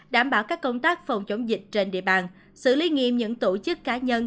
đảm bảo các công tác phòng chống dịch trên địa bàn xử lý nghiêm những tổ chức cá nhân